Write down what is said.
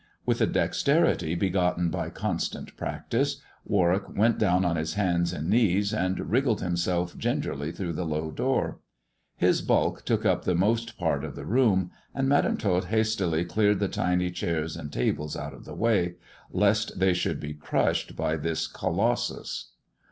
With a dexterity begotten by constant practice, Warwick went down on his hands and knees, and wriggled liimself gingerly through the low door. His bulk took up the most part of the room, and Madam Tot hastily cleared THE dwarf's chamber 127 the tiny chairs and tables out of the way, lest they should be crushed by this colossus.